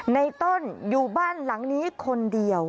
ในต้นอยู่บ้านหลังนี้คนเดียว